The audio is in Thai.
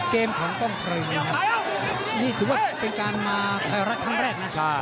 เกมของกล้องทริงนี่ถือว่าเป็นการมาไฟลักษณ์ครั้งแรกนะ